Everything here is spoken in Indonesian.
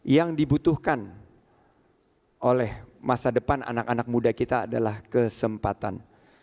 yang dibutuhkan oleh masa depan anak anak muda kita adalah kesempatan